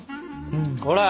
ほら！